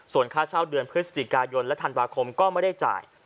ส่วนค่าเช่าเดือนพฤศจิกายนและธันวาคมก็ไม่ได้จ่าย